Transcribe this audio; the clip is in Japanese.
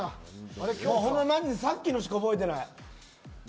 さっきのしか覚えてない。